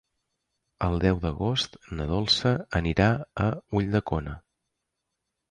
El deu d'agost na Dolça anirà a Ulldecona.